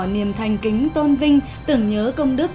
niềm thanh kính tôn vinh tưởng nhớ công đức